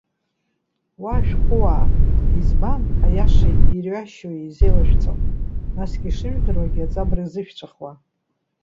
Уа ашәҟәыуаа! Избан аиашеи ирҩашьоуи зеилашәҵо, насгьы ишыжәдыруагьы аҵабырг зышәҵәахуа?